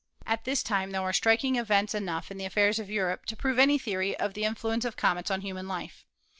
At this time there were striking events enough in the affairs of Europe to prove any theory of the influence of comets on human life.